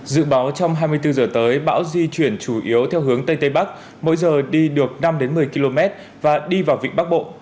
dự báo trong hai mươi bốn giờ tới bão di chuyển chủ yếu theo hướng tây tây bắc mỗi giờ đi được năm một mươi km và đi vào vịnh bắc bộ